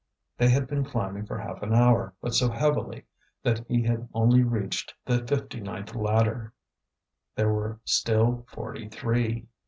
They had been climbing for half an hour, but so heavily that he had only reached the fifty ninth ladder; there were still forty three.